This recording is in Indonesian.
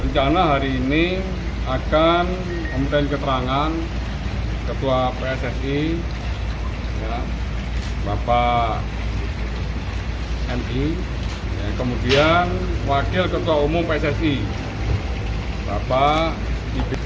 rencana hari ini akan memberikan keterangan ketua pssi bapak mi kemudian wakil ketua umum pssi bapak ibu